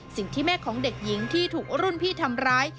สิ่งที่แม่ของเด็กหญิงที่ถูกรุ่นพี่ทำร้าย